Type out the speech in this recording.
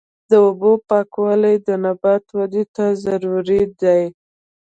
د اوبو پاکوالی د نبات ودې ته ضروري دی.